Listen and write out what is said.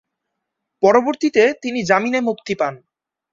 পরবর্তীতে তিনি জামিনে মুক্তি পান।